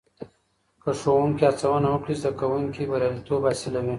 که ښوونکې هڅونه وکړي، زده کوونکي برياليتوب حاصلوي.